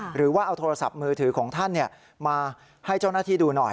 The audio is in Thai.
หรือว่าเอาโทรศัพท์มือถือของท่านมาให้เจ้าหน้าที่ดูหน่อย